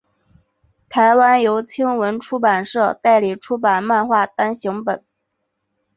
台湾由青文出版社代理出版漫画单行本。